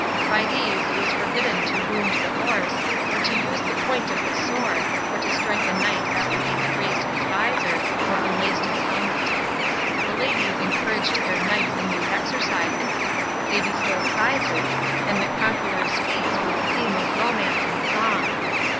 By these it was forbidden to wound the horse, or to use the point of the sword, or to strike a knight after he had raised his vizor, or unlaced his helmet. The ladies encouraged their knights in these exercises; they bestowed prizes, and the conqueror's feats were the theme of romance and song.